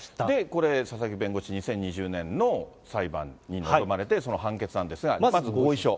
これ、佐々木弁護士、２０２０年の裁判に臨まれて、その判決なんですが、まず合意書。